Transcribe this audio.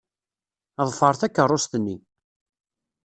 Ḍfer takeṛṛust-nni.